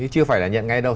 chưa phải là nhận ngay đâu